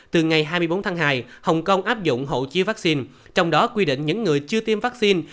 từ ngày hai mươi bốn tháng hai hồng kông áp dụng hộ chia vaccine trong đó quy định những người chưa tiêm vaccine